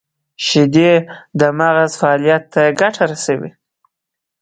• شیدې د مغز فعالیت ته ګټه رسوي.